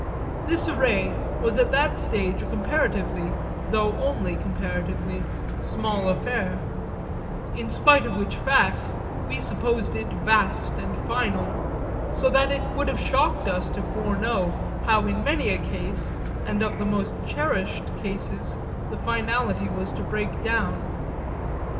This array was at that stage a comparatively (though only comparatively) small affair; in spite of which fact we supposed it vast and final so that it would have shocked us to foreknow how in many a case, and of the most cherished cases, the finality was to break down.